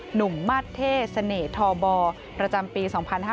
หนุ่มมาสเท่เสน่ห์ทอบประจำปี๒๕๕๙